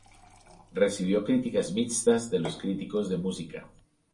Recibió críticas mixtas de los críticos de música.